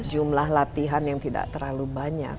jumlah latihan yang tidak terlalu banyak